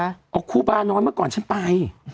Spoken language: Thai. บอกครูบาน้อยเมื่อก่อนฉันไป